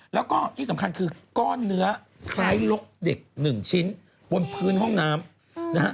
แล้วก็ที่สำคัญคือก้อนเนื้อคล้ายลกเด็ก๑ชิ้นบนพื้นห้องน้ำนะฮะ